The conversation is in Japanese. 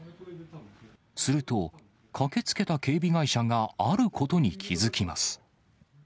すると、駆けつけた警備会社があることに気付きます。